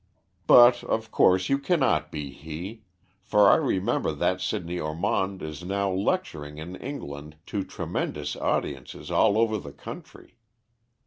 But, of course, you cannot be he; for I remember that Sidney Ormond is now lecturing in England to tremendous audiences all over the country.